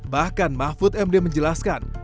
bahkan mahfud md menjelaskan